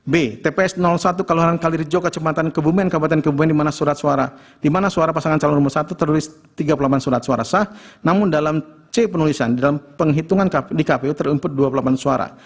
enam b tps satu kelurahan kalirijo kecematan kebumian kabupaten kebumian dimana surat suara pasangan calon nomor satu terdari um aparte pulat surat suara sah namun dalam penulisan penulisan panuh penggintungan di kpu ter contribut dua puluh delapan suara